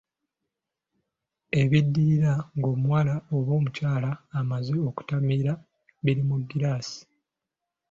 Ebiddirira ng'omuwala oba omukyala amaze okutamira biri mu giraasi.